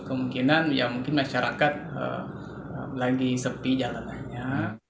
kemungkinan ya mungkin masyarakat lagi sepi jalanannya